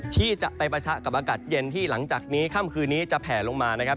ที่จะไปปะทะกับอากาศเย็นที่หลังจากนี้ค่ำคืนนี้จะแผลลงมานะครับ